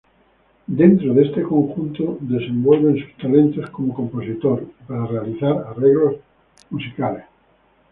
Dentro de este conjunto desenvuelve sus talentos como compositor y para realizar arreglos musicales.